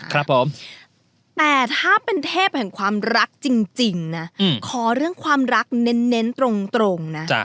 ครับผมแต่ถ้าเป็นเทพแห่งความรักจริงนะขอเรื่องความรักเน้นตรงนะ